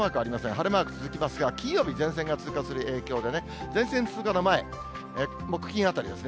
晴れマーク続きますが、金曜日、前線が通過する影響でね、前線通過の前、木、金あたりですね。